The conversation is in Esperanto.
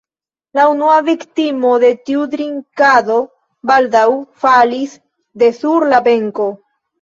La unua viktimo de tiu drinkado baldaŭ falis de sur la benko.